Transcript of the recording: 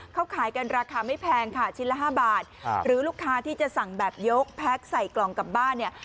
เขาขายกันราคาไม่แพงค่ะชิ้นละ๕บาทหรือลูกค้าที่จะสั่งแบบยกแพ็คใส่กล่องกลับบ้านเนี่ย